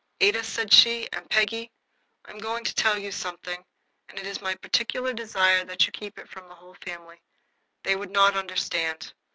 "Ada," said she, "and Peggy, I am going to tell you something, and it is my particular desire that you keep it from the whole family. They would not understand.